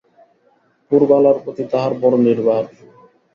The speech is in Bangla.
পুরবালার প্রতি তাঁহার বড়ো নির্ভর।